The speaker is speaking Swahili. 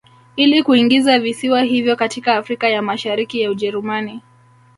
Ili kuingiza visiwa hivyo katika Afrika ya Mashariki ya Ujerumani